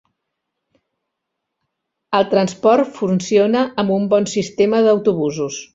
El transport funciona amb un bon sistema d'autobusos.